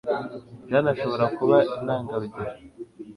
Jane ashobora kuba intangarugero